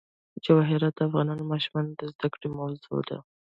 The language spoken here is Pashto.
جواهرات د افغان ماشومانو د زده کړې موضوع ده.